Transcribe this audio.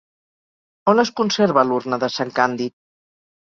On es conserva l'Urna de Sant Càndid?